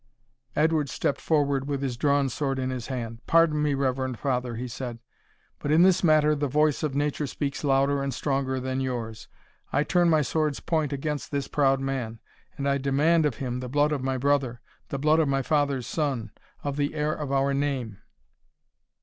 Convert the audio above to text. Edward stepped forward with his drawn sword in his hand. "Pardon me, reverend father," he said, "but in this matter the voice of nature speaks louder and stronger than yours. I turn my sword's point against this proud man, and I demand of him the blood of my brother the blood of my father's son of the heir of our name!